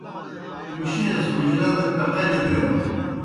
مُشیئے سہ حُجرہ دہ ٹقلیْ دینَن۔